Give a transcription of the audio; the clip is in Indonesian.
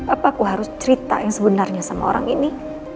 apa aku harus cerita yang sebenarnya sama orang ini